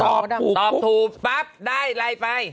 ตอบถูกตอบถูกปั๊บได้ไล่ไป